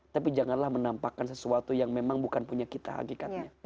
tapi janganlah menampakkan sesuatu yang memang bukan punya kita hakikatnya